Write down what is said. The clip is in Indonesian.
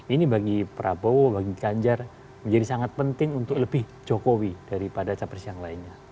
ini bagi prabowo bagi ganjar menjadi sangat penting untuk lebih jokowi daripada capres yang lainnya